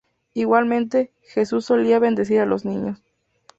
Igualmente, Jesús solía bendecir a los niños.